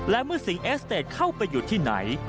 และเมื่อสิงเอสเตจเข้าไปอยู่ที่ไหน